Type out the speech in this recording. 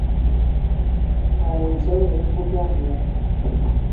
Mayi ṅyëbëla bibug biama ya